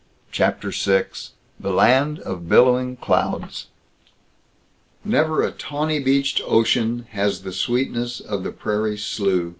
CHAPTER VI THE LAND OF BILLOWING CLOUDS Never a tawny beached ocean has the sweetness of the prairie slew.